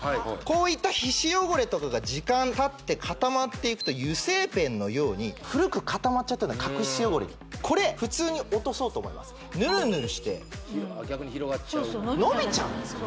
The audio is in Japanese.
こういった皮脂汚れとかが時間たって固まっていくと油性ペンのように古く固まっちゃったような角質汚れにこれ普通に落とそうと思いますヌルヌルして逆に広がっちゃうのびちゃうんです